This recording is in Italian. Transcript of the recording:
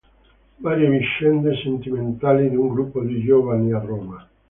Varie vicende sentimentali di un gruppo di giovani a Roma.